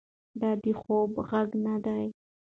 دا د خوب غږ نه دی.